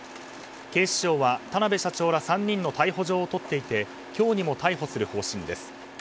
警視庁は田邊社長ら３人の逮捕状を取っていて今日にも逮捕する方針です。